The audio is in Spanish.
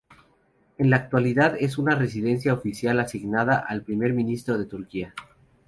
En la actualidad, es una residencia oficial asignada al primer ministro de Turquía.